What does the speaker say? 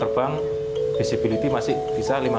keluarga jalurnya jika dapat